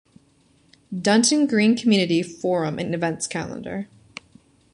Dunton Green Community Forum and events calendar.